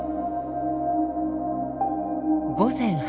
午前８時。